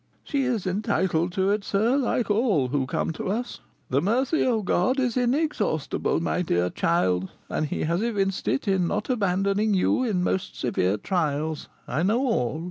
"She is entitled to it, sir, like all who come to us. The mercy of God is inexhaustible, my dear child, and he has evinced it in not abandoning you in most severe trials. I know all."